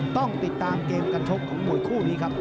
ต้องติดตามเกมการชกของมวยคู่นี้ครับ